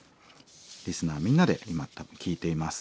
リスナーみんなで今聴いています。